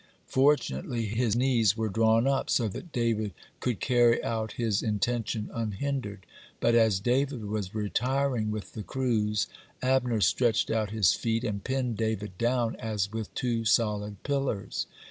Fortunately his knees were drawn up, so that David could carry out his intention unhindered. But as David was retiring with the cruse, Abner stretched out his feet, and pinned David down as with two solid pillars.